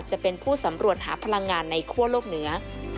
จะเป็นผู้สำรวจหาพลังงานในคั่วโลกเหนือ